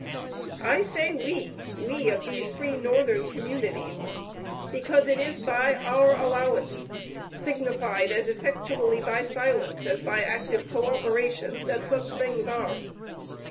I say we, we of these Free Northern communities, because it is by our allowance, signified as effectually by silence, as by active co operation, that such things are.